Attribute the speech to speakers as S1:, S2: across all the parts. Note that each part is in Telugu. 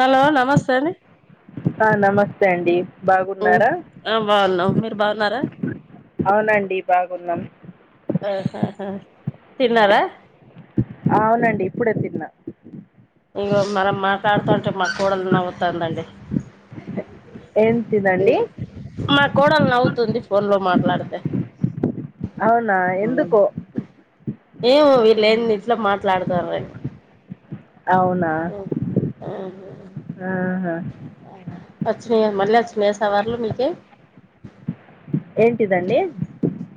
S1: హలో నమస్తే అండి
S2: ఆ నమస్తే అండి బాగున్నారా
S1: ఆ బాగున్నాం మీరు బాగున్నారా
S2: అవునండి బాగున్నాం
S1: ఆహాహా తిన్నారా
S2: అవునండి ఇప్పుడే తిన్నా
S1: ఇగో మనం మాటాడుతా ఉంటే మా కోడలు నవ్వుతాందండి
S2: ఏం తినండి
S1: మా కోడలు నవ్వుతుంది ఫోన్ లో మాట్లాడితే
S2: అవునా ఎందుకో
S1: ఏవో వి ళ్ళేంది
S2: ఉమ్,
S1: ఇట్ల మాట్లాడుతుర్రే
S2: అవునా ఆహా
S1: వచ్చినయా మళ్ళీ వచ్చినయా సావర్లు మీకే
S2: ఏంటిదండి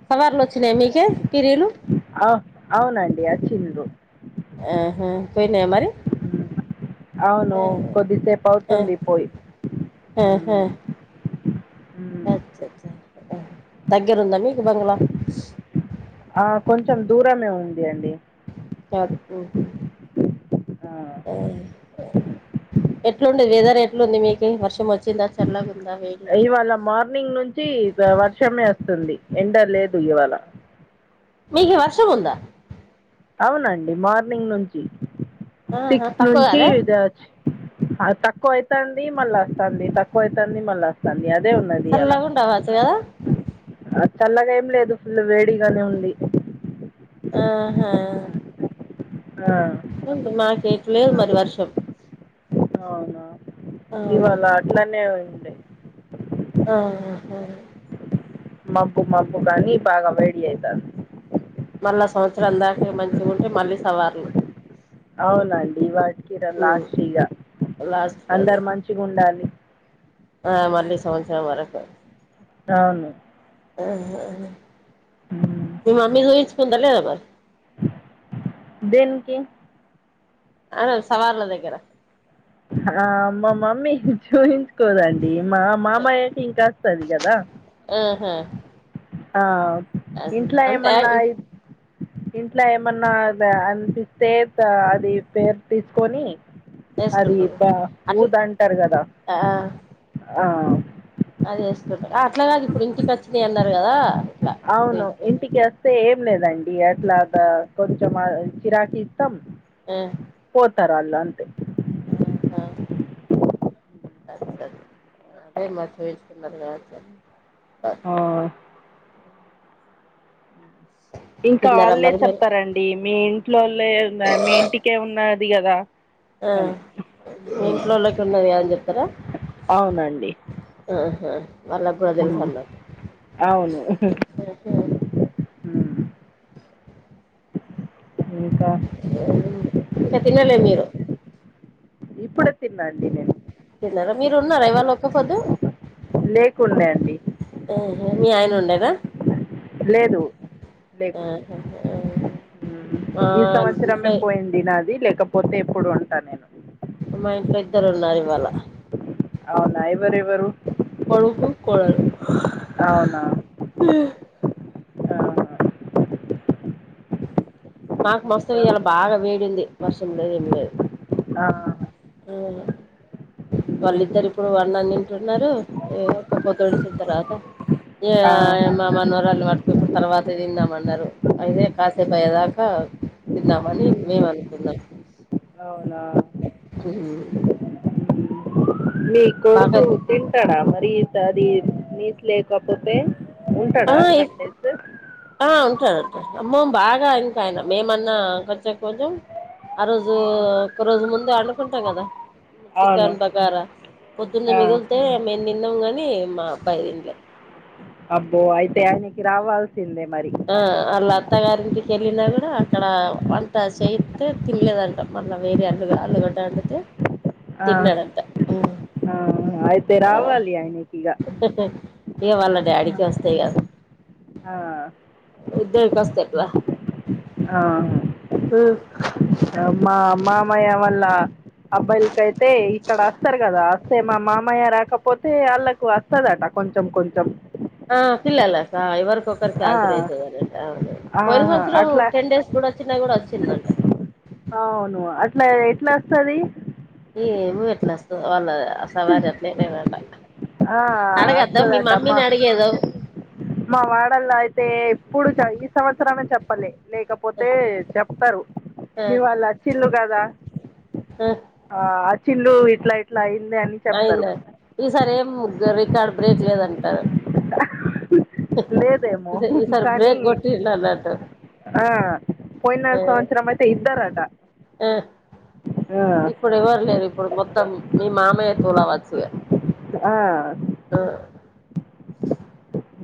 S1: సవర్లు వచ్చినాయి మీకే పిరీలు
S2: అవ్- అవునండి ఆచ్చిండ్రు
S1: ఆహా పొయినయా మరి
S2: ఉమ్, అవును కొద్దిసేపు అవుతుంది పోయి
S1: ఆహా
S2: ఉమ్, ఉమ్.
S1: దగ్గరుందా మీకు బంగళా
S2: ఆ కొంచెం దూరమే ఉంది అండి
S1: సరిపోతది
S2: ఆ,
S1: అ ఆ ఎట్లుంది వెదర్ ఎట్లుంది మీకు వర్షం వచ్చిందా తెల్లగుందా మీ
S2: ఇవాళ మార్నింగ్ నుంచి వర్షమే వస్తుంది ఎండ లేదు ఇవాళ
S1: మీకు వర్షం ఉందా
S2: అవునండి మార్నింగ్ నుంచి
S1: ఆహా
S2: సిక్స్
S1: తక్కువ
S2: నుంచి
S1: కాలే
S2: విదచ్చి తక్కువ అయితాంది మళ్ళీ వస్తుంది తక్కువ అయితాంది మళ్ళా వస్తుంది సంధ్య దే ఉన్నది ఈయాల
S1: చల్లగా ఉండవచ్చు కదా
S2: ఆ చల్లగా ఏం లేదు ఫుల్ వేడిగానే ఉంది
S1: ఆహా
S2: ఆ
S1: అ మా కేట్లేదు మరి వర్షం
S2: అవునా
S1: అవును
S2: ఇవాళ అట్లనే ఉంది
S1: ఆహ
S2: మబ్బు మబ్బు కానీ బాగా వెడి అయితంది
S1: మళ్ళీ సంవత్సరం దాక మంచిగా ఉంటే మళ్ళీ సవార్లు
S2: అవునండి వాటికిరా
S1: ఉమ్.
S2: లాస్ట్ ఈగ
S1: లాస్ట్ రోజు
S2: అందరు మంచిగా ఉండాలి
S1: ఆ మళ్ళీ సంవత్సరం వరకు
S2: అవును
S1: ఆ
S2: ఉమ్.
S1: మీ మమ్మీ చూయించుకుందా లేదా మరి
S2: దేనికి
S1: అను సవార్ల దగ్గర
S2: ఆ అమ్మ మమ్మీ చూ కోదండి మా మామయ్యకి ఇంకా వస్తది కదా
S1: ఆహా
S2: ఆ
S1: అదే
S2: ఇంట్లో
S1: అంటే
S2: ఏమన్నా
S1: ఇంటి
S2: ఇంట్లో ఏమన్నా అనిపిస్తే అది పేరు తీసుకొని అది
S1: వేసుకుంటారు
S2: బా
S1: అట్లా
S2: ఊదు అంటారు కదా ఆ
S1: అదిసుకుంట అట్లాగా ఇప్పుడు ఇంటికి వచ్చిన అన్నారు కదా ఇట్లా
S2: అవును
S1: చేయించుకుని
S2: ఇంటికిస్త అంతే ఏం లేదండి అట్లాగా కొంచెం చిరాకిీ ఇస్తాం
S1: హు
S2: పోతారాళ్లు అంతే
S1: ఆహా అచ్చ అదే మరి చూయించుకున్నారు కావచ్చ
S2: ఆ ఇంకా
S1: తిన్నారా
S2: వాళ్ళ
S1: మరి మీరు
S2: చెప్తారండి మీ ఇంట్లోల్లే ఉన్నా మీ ఇంటికే ఉన్నది కదా
S1: ఆ
S2: అని
S1: మీ
S2: హ్మ్.
S1: ఇంట్లోలోకి ఉన్నదని చెప్తారా
S2: అవునండి
S1: ఆహా వాళ్లకు కూడా తెలుసు
S2: హ్మ్.
S1: అన్నట్టు
S2: అవును హ్మ్. చెప్పు ఇంకా
S1: ఇంకా తినలే మీరు
S2: ఇప్పుడే తిన్నాండి నేను
S1: తిన్నారా మీరు ఉన్నారా ఇవాళ ఒక్క పొదు
S2: లేకుండే అది
S1: ఊహూ మీ ఆయన ఉండేదా
S2: లేదు లేకుండె.
S1: ఆహా
S2: ఊ
S1: మా
S2: ఈ
S1: ఇంట్లో
S2: సంవత్సరమే పోయింది తినాది లేకపోతే ఎప్పుడు ఉంటా నేను
S1: మా ఇంట్ల ఇద్దరున్నారివాళ
S2: అవునా ఎవరెవరూ?
S1: కొడుకూ కోడల్
S2: అవునా? ఆహా.
S1: మాకు మస్తు
S2: ఇంకా
S1: ఇయ్యల బాగా వేడుంది. వర్షం లేదు ఏమి లేదు
S2: ఆ
S1: ఊ
S2: ఉమ్.
S1: వాళ్ళిద్దరు ఇప్పుడు అన్నం తింటున్నరూ ఏ ఒక్కపొద్దు విడిచిన తర్వాత ఏ ఆ ఎ
S2: ఆహా.
S1: మా మన్వరాల్ని వట్టుకొ ఇప్పుడు తర్వాత తిందామన్నారు. అయితే కాసేపయ్యేదాక హా తిన్నామనీ మేము అనుకున్నాం
S2: అవునా?
S1: [unintelligible]
S2: మీ
S1: బాగా
S2: కొడుకూ తింటాడా మరి ఇద్ అది నీట్ లేకపోతే? ఉంటడా
S1: ఆ
S2: టెన్ డేస్స్
S1: ఆ ఉంటడుంటడు అమ్మొ బాగా ఇంకా ఆయన మేమన్నా కొంచెం కొంచెం ఆ రోజూ ఒక్క రోజు ముందే అండుకుంటం గదా!
S2: అవును
S1: చికెన్ బగారా పొద్దున్న
S2: ఆ,
S1: మిగిలితే మేం తిన్నం గానీ మా అబ్బాయి తిన్లే
S2: అబ్బో అయితే ఆయనకి రావాల్సిందే మరి
S1: ఆ ఆళ్ళ అత్తగారింటికెళ్ళినా కూడా అక్కడా వంట చేయిత్తే తినలేదంట. మళ్ళ వేరే అల్లుగా అల్లుగడ్డ అండితే
S2: ఆ,
S1: తిన్నాడంట ఊ
S2: ఆ, అయితే
S1: ఆ
S2: రావాలి ఆయనకి ఇక
S1: హ హ్హ హ ఇగ వాళ్ళ డాడీకే అస్తాయి కాద్
S2: ఆ
S1: ఇద్దరికొస్తె ఎట్ల?
S2: ఆ,
S1: ఉ
S2: ఆ మా మామయ్య వాళ్ళ అబ్బాయికయితే ఇక్కడస్తారు గదా అస్తే మా మామయ్య రాకపోతే ఆళ్ళకూ అస్తదట కొంచెం కొంచెం
S1: ఆ పిల్లలకా ఎవర్క్ ఒక్కొక్కరికి
S2: ఆ,
S1: హజరేత్తదనట ఆమె అన్నదన్నది
S2: ఆ,
S1: పోయిన సంవత్సరం
S2: అట్లా
S1: టెన్ డేస్ కూడా వచ్చినై కూడా వచ్చిందంట
S2: అవును అట్లా ఎట్లస్తది?
S1: ఏమో ఎట్ల అస్తదో వాళ్ళా సవారి అట్నే [unintelligible] అడగద్దా మీ
S2: వస్తుందట మా
S1: మమ్మీని అడుగేదో
S2: మా వాడల్ల అయితే ఇప్పుడు చ ఈ సంవత్సరమే చెప్పలే లేకప్ పోతే చెప్తరు
S1: ఆ
S2: మీ వాళ్ళచ్చిళ్ళు గదా! ఆ అచ్చిండ్లూ ఇట్ల ఇట్ల అయిింది అని చెప్తారు
S1: అయిందనీ ఈసారి ఏం ఒక్క రికార్డు బ్రేక్ లేదంటరు
S2: అహ్ లేదేమో
S1: ఈస ఈసారి
S2: కానీ
S1: బ్రేక్ కొట్టిండ్రు అన్నట్టు
S2: ఆ పోయినా
S1: ఆ
S2: సంవత్సరమైతే ఇద్దరాట
S1: ఆ ఇప్పుడు ఎవ్వరు లేరు ఇప్పుడు మొత్తం మీ మామయ్య తూలా వచ్చు ఇగా.
S2: ఆ ఆ
S1: ఆ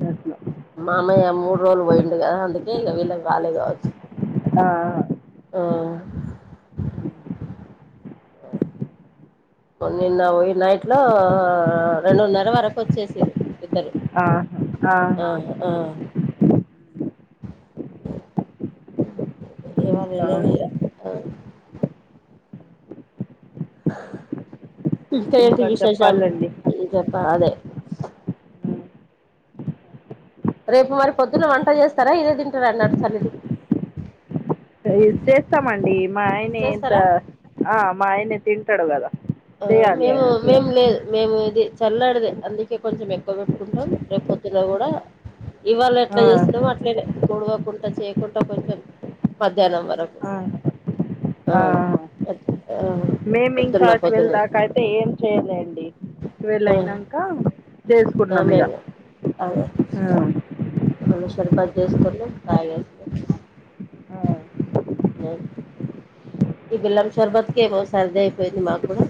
S2: గట్ల.
S1: మామయ్య మూడు రోజులు వొయిండు గదా అందుకే ఇగ వీళ్ళకి రాలే గావచ్చు.
S2: ఆ ఆ
S1: ఆ నిన్న ఈ నైట్ లో రెండున్నర వరకు వచ్చేసిల్లు ఇద్దరు
S2: ఆ
S1: ఆ ఆ ఏ వాళ్
S2: ఇంకా
S1: ఎలాలే ఇగ ఇంకేంటి
S2: ఇంకా
S1: విశేషాలు
S2: చెప్పాలండి
S1: చెప్పాలే రేపు మరి పొద్దున్న వంట చేస్తారా ఇదే తింటార అన్నా చల్ది
S2: ఇ చేస్తామండి మా ఆయనే ఇంత
S1: చేస్తారా
S2: ఆ మా ఆయనే తింటాడు కదా
S1: ఆ
S2: చేయాలి
S1: మేము
S2: ఆయనకి ఇక
S1: మేము లేదు మేము ఇది చల్లడిదే అందుకే కొంచెం ఎక్కువ పెట్టుకుంటాం రేపు పొద్దున్న కూడా ఇవాళ
S2: ఆ
S1: ఎట్లా చేసినమో అ ట్లనే ఓడవకుండా చేయకుండా కొంచెం మధ్యాహ్నం వరకు
S2: ఆ
S1: ఆ మ ఆ
S2: మేమి ఇంకా ట్వెల్వ్ దాకా అయితే చెయ్యంలేండి ట్వెల్వ్
S1: ఆ
S2: అయినాక చేసుకున్నాం ఇగ
S1: అే రెండు షేర్బత్ చేసుకొని తాగను
S2: ఆ,
S1: ఈ బెల్లంషేరబత్క ఏమో సర్ది అయిపోయింది మాకు కూడా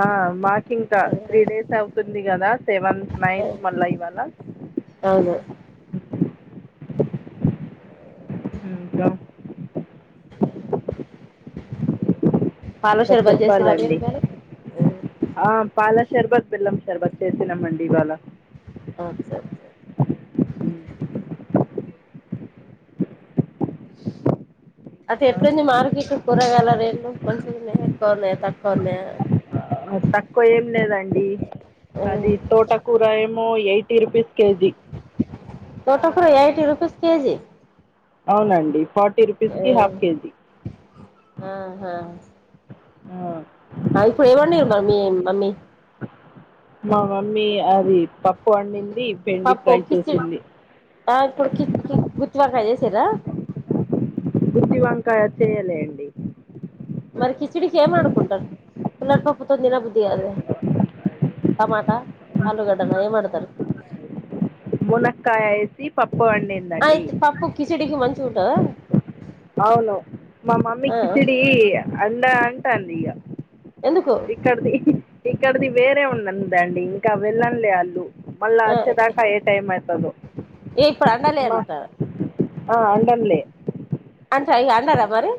S2: ఆ మాకింక త్రీ డేస్ అవుతుంది కదా సెవెంత్ నైన్త్ మళ్ళా ఇవాళ
S1: అవును
S2: చ
S1: పాల
S2: ఇంకా
S1: షెర్బత్ చేసిరా మీరు
S2: చెప్పాలండి
S1: మరి
S2: ఆ పాల షర్బత్ బెల్లం షర్బత్ చేసినాంమండి ఇవాళ
S1: అ స
S2: హ్మ్.
S1: అది
S2: ఇంకా
S1: ఎట్లుంది మార్కెట్ కూరగాల రేట్లు కొంచం ఎక్కువ ఉన్నాయా తక్కువ ఉన్నాయా
S2: ఆ, తక్కువ ఏం లేదండి అది తోటకూర ఏమో ఎయిటీ రుపీస్ కేజీ
S1: తోటకూర ఎయిటి రుపీస్ కేజీ
S2: అవునండి ఫార్టీ రూపీస్ కి హాఫ్ కేజీ
S1: ఆహా
S2: ఆ
S1: ఆ ఇప్పుడు ఏమండిరు మరి మీ మమ్మీ
S2: మా మమ్మీ అది పప్పు వండింది బెండి
S1: పప్పు
S2: ఫ్రై
S1: కిచడి
S2: చేసింది
S1: ఇప్పుడు కి కి గుత్వాకాయ చేసిరా
S2: గుతి వంకాయ చేయలే అండి
S1: మరి కిచిడి చేమనుకుంటారు పూల్లటి పప్పుతో తినబుద్ధి కాదు కదా టమాటా ఆలూగడ్డన ఏం అండుతారు
S2: మునక్కాయ వేసి పప్పు వండిందండి
S1: కిచిడి కి మంచిగుంటద
S2: అవును మా మమ్మీ
S1: ఆ
S2: కిచిడి అండ అంటాంది ఇగా
S1: ఎందుకు
S2: ఇక్కడిది ఇక్కడిది వేరే ఉన్నందండి ఇంకా వెళ్ళంలే వాళ్ళు మళ్ళా
S1: ఆ
S2: అచ్చ దాకా ఏ టైమ్ అయ్యితదో
S1: ఏ ఇప్పుడు అండాలి అంటారు
S2: ఆ అండన్లే
S1: అంట ఇగ అండరా మరి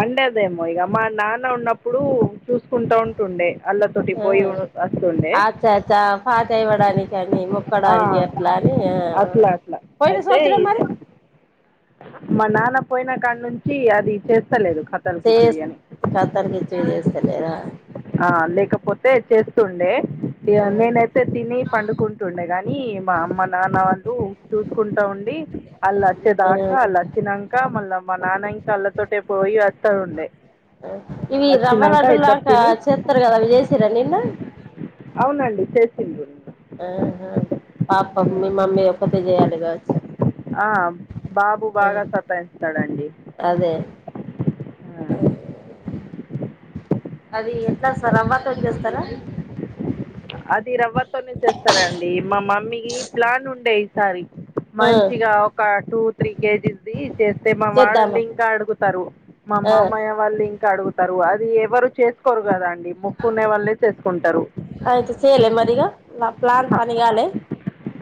S2: అండేదేమో ఇగా మా నాన్న ఉన్నప్పుడు చూసుకుంటా ఉంటుండే అల్లతోటి పోయి వస్తుండే
S1: చేత పాత ఇవ్వడానినికినిొ [unintelligible]
S2: ఆ
S1: క్కడానికి ఎట్లా అని
S2: అట్లా అట్లా
S1: పోయిన
S2: అయితే
S1: సవత్సరం
S2: ఈ-
S1: మరి [unintelligible]
S2: మా నాన్న పోయిన కాడ నుంచి అది చేస్తలేదు. కథల కిచుడి అని
S1: కాతారుకిచ్చ చేస్తలేరా [unintelligible]
S2: ఆ లేకపోతే చేస్తుండే నేనైతే తిని పండుకుంటుండే గాని మా అమ్మ నాన్న వాళ్ళు చూసుకుంటా ఉండి. అల్లాచ్చే
S1: ఆ
S2: దాకా అల్ల చ్చిన్నక మళ్ళ మా నాన్న ఇంకా అళ్లతోటే పోయి వస్తా ఉండే.
S1: ఇవి రవ్వ
S2: వచ్చినంక
S1: లడ్డు
S2: ఇద్దరు
S1: లాక
S2: తిని
S1: చేస్తారు కదా అవి చేసీర్రా నిన్న.
S2: అవునండి చేసిండ్రు.
S1: ఆహా పాపం మీ
S2: హ్మ్.
S1: మమ్మీ ఒక్కతే చేయాలి కావచ్చు.
S2: ఆ బాబు బాగా సతాయిస్తాడండి
S1: అదే
S2: ఉ
S1: అది ఎట్లా రవ్వతో చేస్తారా.
S2: అది రవ్వతోనే చేస్తారండి. మా మమ్మీకి ప్లాన్ ఉండే ఈసారి.
S1: ఆ
S2: మంచిగా ఒక టూ త్రీ కేజీస్ది చేస్తే మా
S1: చేద్దామా
S2: వాడల్ని ఇంకా అడుగుతారు. మా
S1: ఆ
S2: మామయ్య వాళ్ళు ఇం కా అడుగుతారు. అది ఎవరు చేసుకోరు కదా అండి. మోక్కునే వాళ్ళే చేసుకుంటారు.
S1: అయితే చేయలే మరి ఇగా ప్లాన్
S2: హ,
S1: పనిగాలే.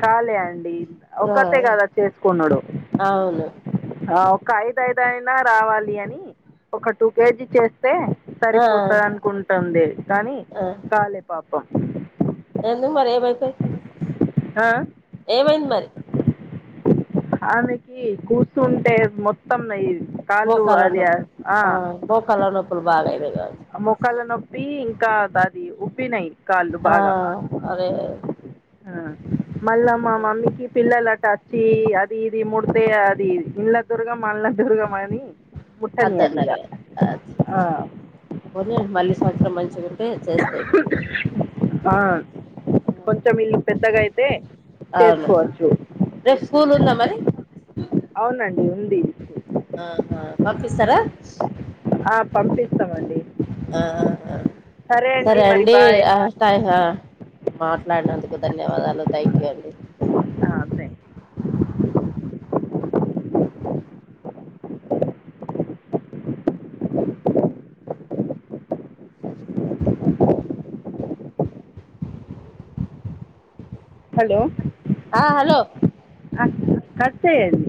S2: కాలే అండి
S1: ఆ
S2: ఒకతే కదా చేసుకునుడు.
S1: అవును
S2: ఆ ఒక ఐదుఐదయినా రావాలి అని ఒక టూ కేజీ చే స్తే
S1: ఆ
S2: సరిపోతది అనుకుంటుంది కానీ
S1: ఆ
S2: కాలే పాపం.
S1: ఎందుకు మరి ఏమైతది.
S2: ఆ
S1: ఏమైంది మరి.
S2: ఆమెకి కూసుంటే మొత్తం న
S1: మోకాళ నొప్పు ఆ మోకళ్ళ నొప్పులు బాగాయినాయి కావచ్చు.
S2: మోకాళ నొప్పి ఇంకా అది ఉబ్బినాయి కాళ్ళు
S1: ఆ
S2: బాగా
S1: అరే
S2: ఉ మళ్ళా మా మమ్మీకి పిల్లలట వచ్చి అది ఇది ముడితే అది ఇళ్ల దుర్గమల దుర్గమని ముట్టనియది ఇగా
S1: అద్దన్నారు
S2: ఆ
S1: పోని మళ్ళీ సంవత్సరం మంచిగా ఉంటే చేస్తాయి
S2: ఆ కొంచెం వీళ్ళు పెద్దగా అయితే
S1: అవును
S2: చేసుకోవచ్చు.
S1: రేపు స్కూల్ ఉందా మరి
S2: అవునండి ఉంది.
S1: ఆహ పంపిస్తారా
S2: ఆ పంపిస్తామండి.
S1: ఆ
S2: సరే అండి మరి బాయ్
S1: అహ మాట్లాడినందుకు ధన్యవాదాలు థ్యాంక్ యూ అండి.
S2: ఆ అంతే. హలో
S1: ఆ హలో
S2: అ కస్త [unintelligible]